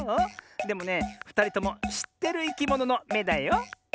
でもねふたりともしってるいきもののめだよ。